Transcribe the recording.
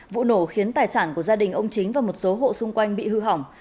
vụ nổ khiến tài sản của gia đình ông chính và một số hộ xung quanh bị hư hỏng